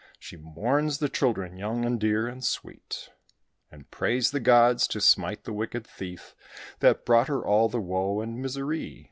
She mourns the children, young, and dear, and sweet, And prays the gods to smite the wicked thief, That brought her all the woe and misery.